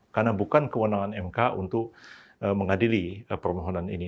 karena bukan kewenangan mk untuk mengadili permohonan ini